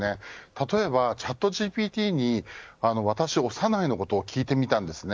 例えば、チャットＧＰＴに私、長内のことを聞いてみたんですね。